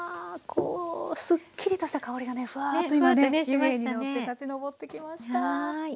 こうすっきりとした香りがねふわっと今ね湯気に乗って立ち上ってきました。